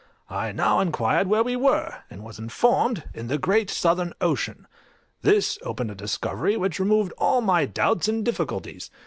I now inquired where we were, and was informed, in the great Southern Ocean; this opened a discovery which removed all my doubts and difficulties.